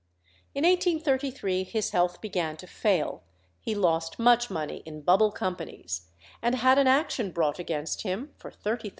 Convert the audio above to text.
In 1833 his health began to fail; he lost much money in bubble companies, and had an action brought against him for £30,000.